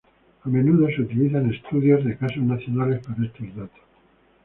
A menudo se utilizan estudios de casos nacionales para estos datos.